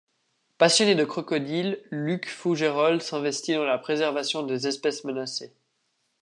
Passionné de crocodiles Luc Fougeirol s'investit dans la préservation des espèces menacées.